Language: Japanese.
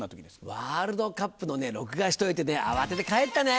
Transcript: ワールドカップのね録画しといてね慌てて帰ったね！